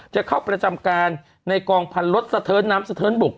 จะเข้าประจำการในกองพันรถสะเทินน้ำสะเทินบก